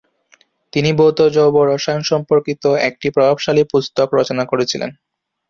তিনি ভৌত জৈব রসায়ন সম্পর্কিত একটি প্রভাবশালী পুস্তক রচনা করেছিলেন।